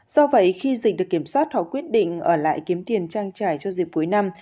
do vậy khi dịch được kiểm soát họ quyết định ở lại kiếm tiền trang trải cho dịp cuối năm